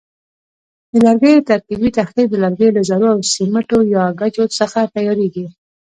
د لرګیو ترکیبي تختې د لرګیو له ذرو او سیمټو یا ګچو څخه تیاریږي.